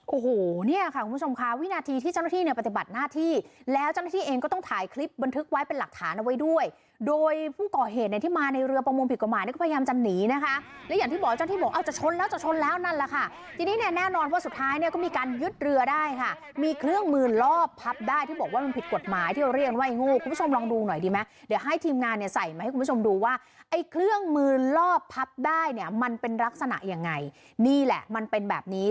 โอ้โหเนี่ยค่ะคุณผู้ชมค่ะวินาทีที่เจ้าหน้าที่เนี่ยปฏิบัติหน้าที่แล้วเจ้าหน้าที่เองก็ต้องถ่ายคลิปบันทึกไว้เป็นหลักฐานเอาไว้ด้วยโดยผู้ก่อเหตุในที่มาในเรือประมวงผิดกฎหมายเนี่ยก็พยายามจะหนีนะคะแล้วอย่างที่บอกเจ้าหน้าที่บอกเอาจะชนแล้วจะชนแล้วนั่นแหละค่ะทีนี้เนี่ยแน่นอนว่าสุดท้